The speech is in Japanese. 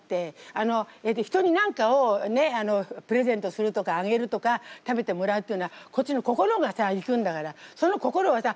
あの人に何かをプレゼントするとかあげるとか食べてもらうっていうのはこっちの心がさ行くんだからその心をさ